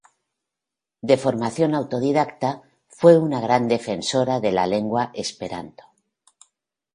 De formación autodidacta, fue una gran defensora de la lengua esperanto.